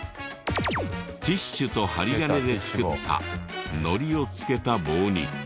ティッシュと針金で作ったのりを付けた棒に。